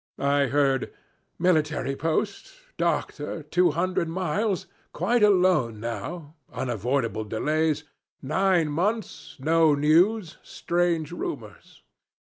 I heard: 'Military post doctor two hundred miles quite alone now unavoidable delays nine months no news strange rumors.'